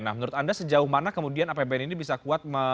nah menurut anda sejauh mana kemudian apbn ini bisa kuat